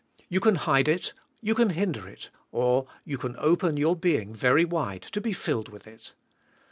You can hide it, you can hinder it, or, you can open your being very wide to be filled with it.